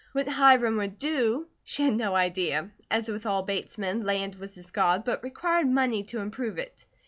What Hiram would do, she had no idea. As with all Bates men, land was his God, but it required money to improve it.